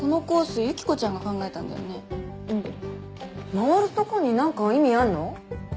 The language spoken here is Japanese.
回るとこに何か意味あんの？